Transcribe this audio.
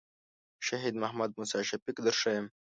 شهید محمد موسی شفیق در ښیم.